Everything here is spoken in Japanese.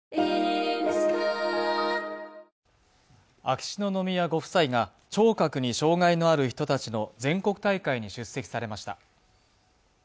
秋篠宮ご夫妻が聴覚に障害のある人たちの全国大会に出席されました。